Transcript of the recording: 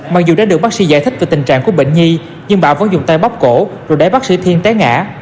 mặc dù đã được bác sĩ giải thích về tình trạng của bệnh nhi nhưng bảo vẫn dùng tay bóc cổ rồi đẩy bác sĩ thiên té ngã